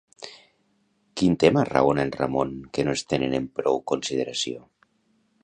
Quin tema raona en Ramon que no es tenen en prou consideració?